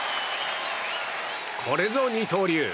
これぞ二刀流。